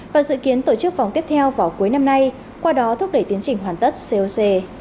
và dự kiến tổ chức vòng tiếp theo vào cuối năm nay qua đó thúc đẩy tiến trình hoàn tất coc